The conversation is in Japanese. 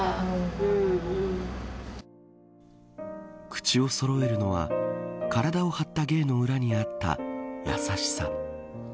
口をそろえるのは体を張った芸の裏にあった優しさ。